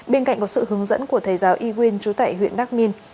bên cạnh có sự hướng dẫn của thầy giáo y quyên trú tại huyện đắc minh